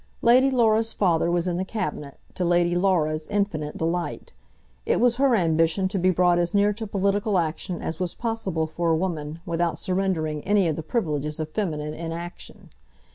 Lady Laura's father was in the Cabinet, to Lady Laura's infinite delight. It was her ambition to be brought as near to political action as was possible for a woman without surrendering any of the privileges of feminine inaction.